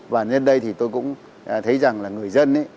và nên đây thì tôi cũng thấy rằng là người dân ý